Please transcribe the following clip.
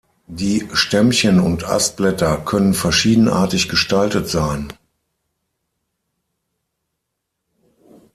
Die Stämmchen- und Astblätter können verschiedenartig gestaltet sein.